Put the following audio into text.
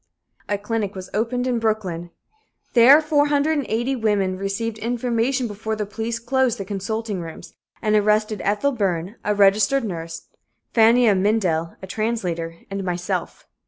A clinic was opened in Brooklyn. There 480 women received information before the police closed the consulting rooms and arrested Ethel Byrne, a registered nurse, Fania Mindell, a translator, and myself.